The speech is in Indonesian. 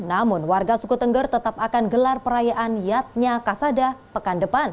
namun warga suku tengger tetap akan gelar perayaan yatnya kasada pekan depan